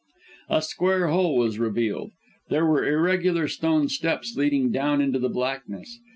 A square hole was revealed. There were irregular stone steps leading down into the blackness.